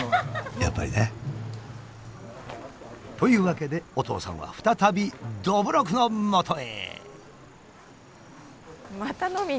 やっぱりね。というわけでお父さんは再びどぶろくのもとへ！